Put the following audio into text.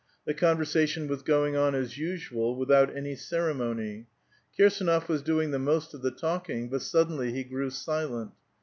The conversation was going on as usual, witii out any ceremony. Kirsdnof was doing the most of the talk ing, but suddenly be grew silent.